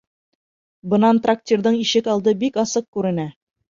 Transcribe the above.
Бынан трактирҙың ишек алды бик асыҡ күренә.